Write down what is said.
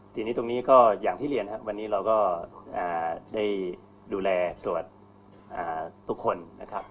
ทีนี้ตรงนี้ก็อย่างที่เรียนครับวันนี้เราก็ได้ดูแลตรวจทุกคนนะครับ